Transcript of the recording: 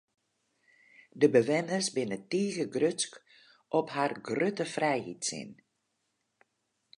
De bewenners binne tige grutsk op harren grutte frijheidssin.